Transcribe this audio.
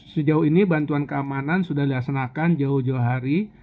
sejauh ini bantuan keamanan sudah dilaksanakan jauh jauh hari